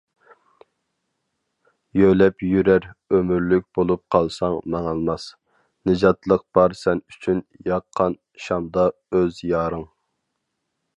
يۆلەپ يۈرەر ئۆمۈرلۈك بولۇپ قالساڭ ماڭالماس، نىجاتلىق بار سەن ئۈچۈن ياققان شامدا ئۆز يارىڭ.